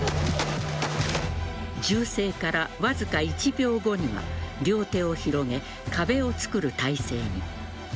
銃声からわずか１秒後には両手を広げ、壁を作る体勢に。